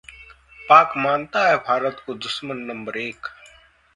पाक मानता है भारत को दुश्मन नंबर एक